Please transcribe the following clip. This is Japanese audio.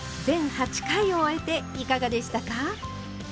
全８回を終えていかがでしたか？